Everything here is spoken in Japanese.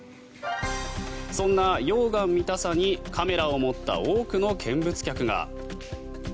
そんな溶岩見たさにカメラを持った多くの見物客が。